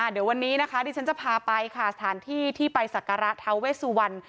เดี๋ยววันนี้นะคะดิฉันจะพาไปค่ะสถานที่ที่ไปสักการะท้าเวสุวรรณ